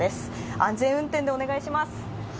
安全運転でお願いします。